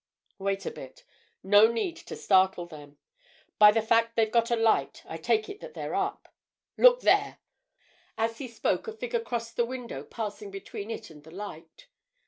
"Wait a bit. No need to startle them. By the fact they've got a light, I take it that they're up. Look there!" As he spoke, a figure crossed the window passing between it and the light.